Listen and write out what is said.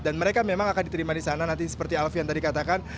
dan mereka memang akan diterima di sana nanti seperti alfian tadi katakan